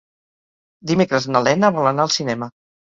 Dimecres na Lena vol anar al cinema.